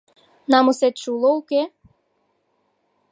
— Намысетше уло, уке?!